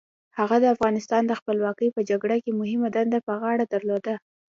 هغه د افغانستان د خپلواکۍ په جګړه کې مهمه دنده په غاړه درلوده.